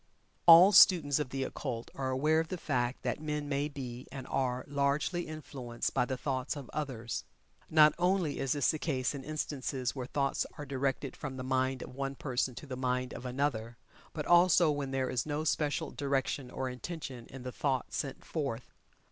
All students of the Occult are aware of the fact that men may be, and are, largely influenced by the thoughts of others. Not only is this the case in instances where thoughts are directed from the mind of one person to the mind of another, but also when there is no special direction or intention in the thought sent forth.